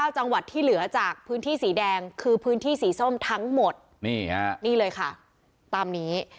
จังหวัดที่เหลือจากพื้นที่สีแดงคือพื้นที่สีส้มทั้งหมดนี่เลยค่ะตามนี้